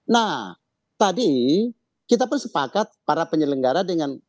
nah tadi kita pun sepakat para penyelenggara dengan